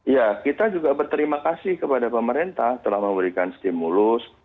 ya kita juga berterima kasih kepada pemerintah telah memberikan stimulus